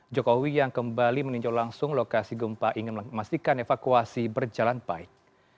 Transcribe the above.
jokowi yang kembali meninjau langsung lokasi gempa ingin memastikan evakuasi berjalan baik